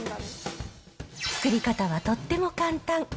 作り方はとっても簡単。